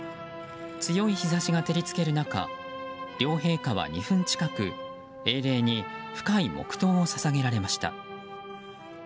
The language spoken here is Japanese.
強い日差しが照り付ける中両陛下は２分近く英霊に深い黙祷を捧げられました。